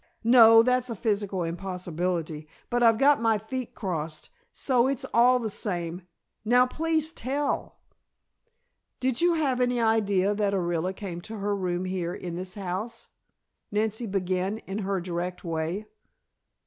No, that's a physical impossibility; but I've got my feet crossed, so it's all the same. Now please tell!" "Did you have any idea that Orilla came to her room here, in this house?" Nancy began in her direct way.